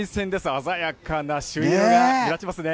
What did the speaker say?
鮮やかな朱色が目立ちますね。